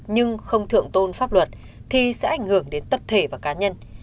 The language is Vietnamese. nhưng không thượng tôn pháp luật thì sẽ ảnh hưởng đến tập thể và cá nhân